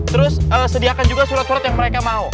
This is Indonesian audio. terus sediakan juga surat surat yang mereka mau